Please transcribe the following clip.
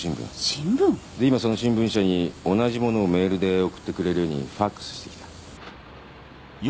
新聞？で今その新聞社に同じものをメールで送ってくれるようにファクスしてきた。